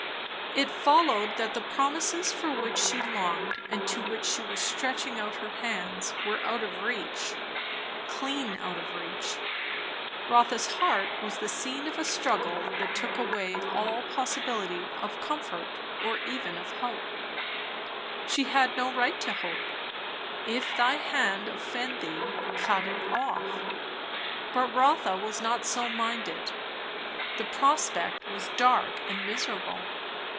It followed that the promises for which she longed and to which she was stretching out her hands, were out of reach. Clean out of reach. Rotha's heart was the scene of a struggle that took away all possibility of comfort or even of hope. She had no right to hope. "If thy hand offend thee, cut it off" but Rotha was not so minded. The prospect was dark and miserable.